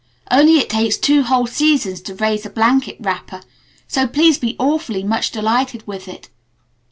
Only it takes two whole seasons to raise a blanket wrapper, so please be awfully much delighted with it.